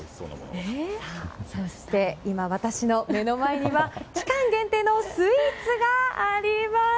そして、私の目の前には期間限定のスイーツがあります。